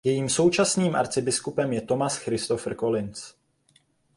Jejím současným arcibiskupem je Thomas Christopher Collins.